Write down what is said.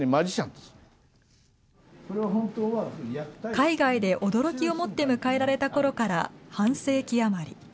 海外で驚きをもって迎えられたころから半世紀余り。